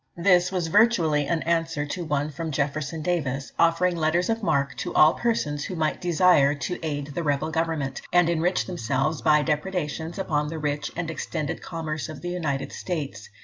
This was virtually an answer to one from Jefferson Davis, offering letters of marque to all persons who might desire to aid the rebel government, and enrich themselves, by depredations upon the rich and extended commerce of the United States.